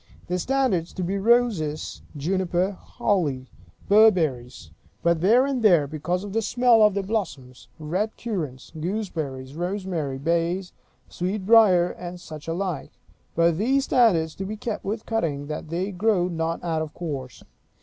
The standards to be roses; juniper; holly; berberries (but here and there, because of the smell of their blossoms); red currants; gooseberries; rosemary; bays; sweetbriar; and such like. But these standards to be kept with cutting, that they grow not out of course.